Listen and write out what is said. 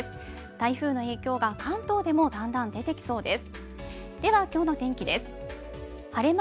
台風の影響が関東でもだんだん出てきそうです